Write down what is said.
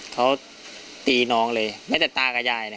เขาตีน้องเลยแม้แต่ตากับยายเลย